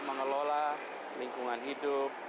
mengelola lingkungan hidup